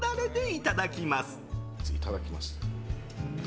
いただきます。